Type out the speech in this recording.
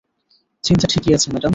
চিন্তা ঠিকই আছে, ম্যাডাম।